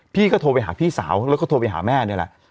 พี่ก็โทรไปหาพี่สาวแล้วก็โทรไปหาแม่นี่แหละ